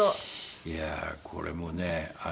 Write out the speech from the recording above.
いやあこれもね。